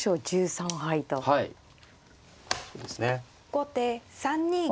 後手３二玉。